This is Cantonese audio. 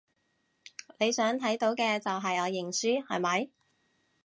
你想睇到嘅就係我認輸，係咪？